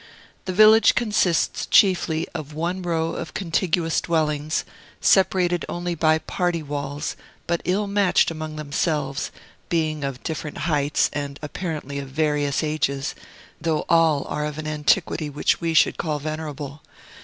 The village consists chiefly of one row of contiguous dwellings, separated only by party walls, but ill matched among themselves, being of different heights, and apparently of various ages, though all are of an antiquity which we should call venerable.